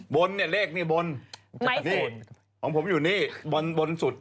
บนเนี่ยเลขนี่บนของผมอยู่นี่บนสุด